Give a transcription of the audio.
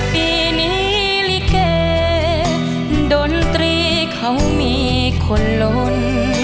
ปีนี้ลิเกดนตรีเขามีคนลน